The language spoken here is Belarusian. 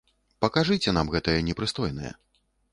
Пакажыце нам гэтае непрыстойнае.